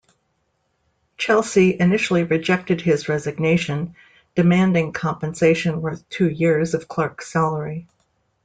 Chelsea initially rejected his resignation, demanding compensation worth two years of Clarke's salary.